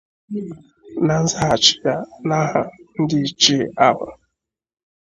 Na nzaghachi ya n'aha ndị ichie ahụ